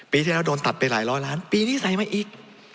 ปีที่แล้วโดนตัดไปหลายร้อยล้านปีนี้ใส่มาอีก